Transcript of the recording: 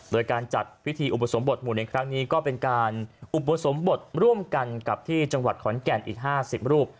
โดยการจัดพิธีอุปสมบทหมู่ในครั้งนี้ก็เป็นการอุปสมบทร่วมกันกับที่จังหวัดขอนแก่นอีก๕๐รูป